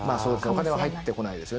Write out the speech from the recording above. お金は入ってこないですよ。